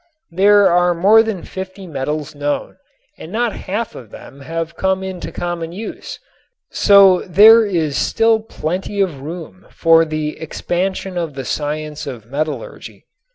There are more than fifty metals known and not half of them have come into common use, so there is still plenty of room for the expansion of the science of metallurgy.